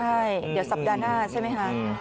ใช่เดี๋ยวสัปดาห์หน้าใช่ไหมคะ